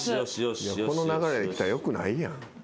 この流れできたらよくないやん。